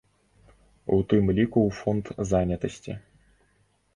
У тым ліку ў фонд занятасці?